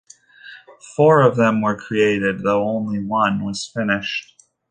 Four of them were created, though only one was finished.